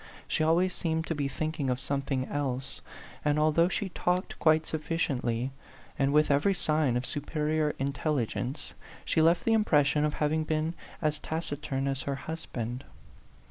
She always seemed to be thinking of something else ; and although she talked quite sufficiently, and with every sign of superior intelligence, she left the im 30 A PHANTOM LOVER. pression of having been as taciturn as her husband.